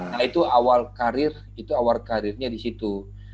nah itu awal karir itu awal karirnya di situ